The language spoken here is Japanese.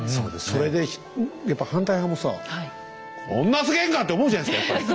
それでやっぱ反対派もさ「こんなすげえんか⁉」って思うじゃないですかやっぱり。